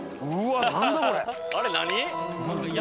あれ何？